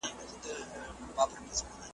نوي نسل ته سم مالومات ورکړئ.